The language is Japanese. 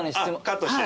カットして。